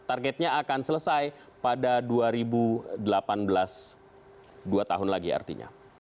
targetnya akan selesai pada dua ribu delapan belas dua tahun lagi artinya